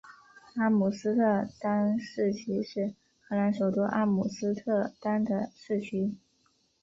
阿姆斯特丹市旗是荷兰首都阿姆斯特丹的市旗。